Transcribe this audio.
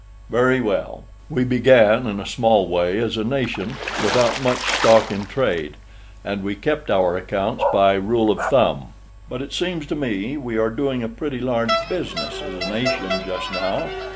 "Very well. We began in a small way as a nation, without much stock in trade, and we kept our accounts by rule of thumb. But it seems to me we are doing a pretty large business as a nation just now."